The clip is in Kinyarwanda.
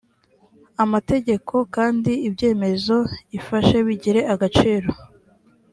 amategeko kandi ibyemezo ifashe bigire agaciro